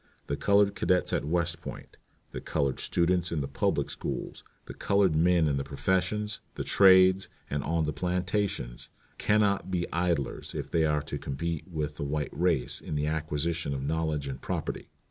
The colored cadets at West Point, the colored students in the public schools, the colored men in the professions, the trades, and on the plantations, can not be idlers if they are to compete with the white race in the acquisition of knowledge and property.